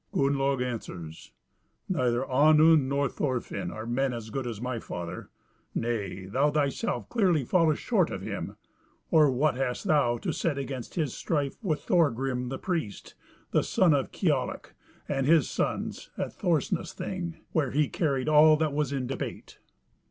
Gunnlaug answers, "Neither Onund nor Thorfin are men as good as my father. Nay, thou thyself clearly fallest short of him or what hast thou to set against his strife with Thorgrim the Priest, the son of Kiallak, and his sons, at Thorsness Thing, where he carried all that was in debate?"